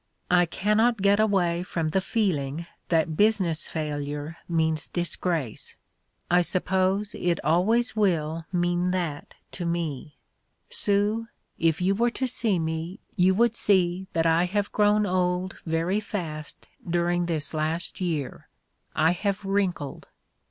"I cannot get away from the feeling that business failure means disgrace. I suppose it always will mean that to me. Sue, if you were to see me you would see that I have grown old very fast during this last year : I have wrinkled.